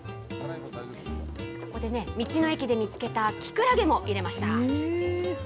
ここで道の駅で見つけたキクラゲも入れました。